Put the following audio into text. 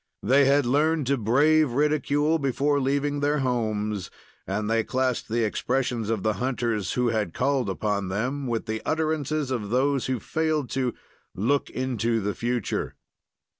They had learned to brave ridicule before leaving their homes, and they classed the expressions of the hunters who had called upon them with the utterances of those who failed to "look into the future."